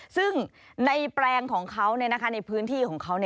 ซึ่งในแปลงของเขาในพื้นที่ของเขา